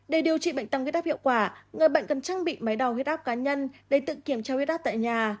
để điều trị bệnh tăng nguyết áp hiệu quả người bệnh cần trang bị máy đào nguyết áp cá nhân để tự kiểm tra nguyết áp tại nhà